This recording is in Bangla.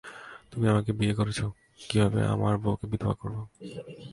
তুমি আমাকে বিয়ে করিয়েছ, কীভাবে আমার বউকে বিধবা করবা?